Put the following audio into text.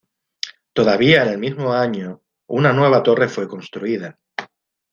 Todavía en el mismo año una nueva torre fue construida.